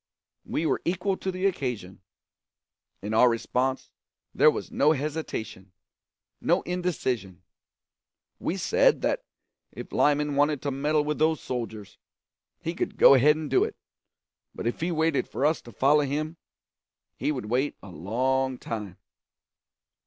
We were equal to the occasion. In our response there was no hesitation, no indecision: we said that if Lyman wanted to meddle with those soldiers, he could go ahead and do it; but if he waited for us to follow him, he would wait a long time.